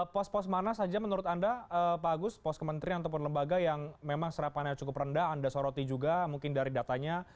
pos pos mana saja menurut anda pak agus pos kementerian ataupun lembaga yang memang serapannya cukup rendah anda soroti juga mungkin dari datanya